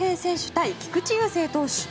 対菊池雄星投手。